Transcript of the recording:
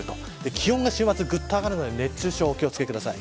気温が週末ぐっと上がるので熱中症にお気を付けください。